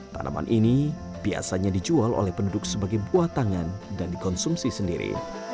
tanaman ini biasanya dijual oleh penduduk sebagai buah tangan dan dikonsumsi sendiri